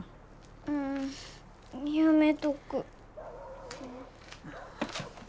うんやめとく。